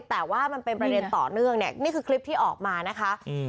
แต่ว่ามันเป็นประเด็นต่อเนื่องเนี่ยนี่คือคลิปที่ออกมานะคะ